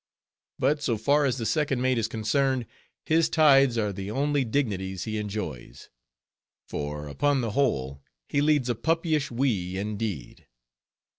But so far as the second mate is concerned, his tides are the only dignities he enjoys; for, upon the whole, he leads a puppyish life indeed.